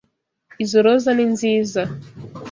Izo roza ni nziza.